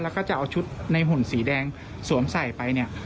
แล้วก็จะเอาชุดในหุ่นสีแดงสวมใส่ไปเนี่ย